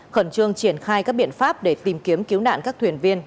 khẩn trương triển khai các biện pháp để tìm kiếm cứu nạn các thuyền viên